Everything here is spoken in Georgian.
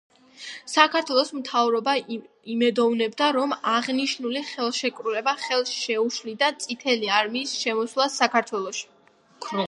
საქართველოს მთავრობა იმედოვნებდა, რომ აღნიშნული ხელშეკრულება ხელს შეუშლიდა წითელი არმიის შემოსვლას საქართველოში.